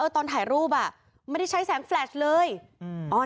ตอนถ่ายรูปอ่ะไม่ได้ใช้แสงแฟลชเลยอืม